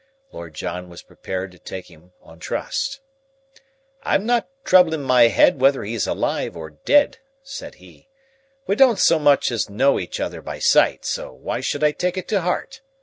Lord John was prepared to take him on trust. "I'm not troublin' my head whether he's alive or dead," said he. "We don't so much as know each other by sight, so why should I take it to heart?